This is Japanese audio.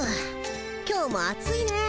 今日も暑いねえ